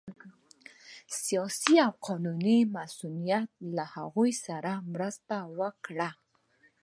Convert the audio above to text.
سیاسي او قانوني مصونیت له هغوی سره مرسته وکړه